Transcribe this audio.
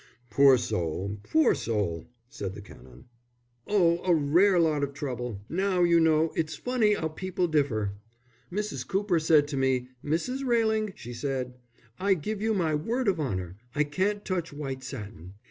"Poor soul, poor soul!" said the Canon. "Oh, a rare lot of trouble. Now, you know, it's funny 'ow people differ. Mrs. Cooper said to me, 'Mrs. Railing,' she said, 'I give you my word of honour, I can't touch white satin.